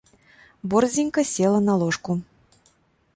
Борздзенька села на ложку.